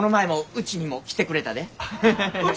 うちにも来てくれたで。